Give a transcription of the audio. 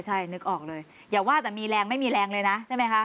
ใช่นึกออกเลยอย่าว่าแต่มีแรงไม่มีแรงเลยนะใช่ไหมคะ